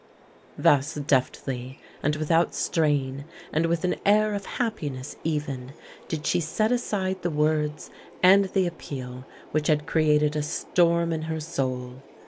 Thus deftly and without strain, and with an air of happiness even, did she set aside the words and the appeal which had created a storm in her soul.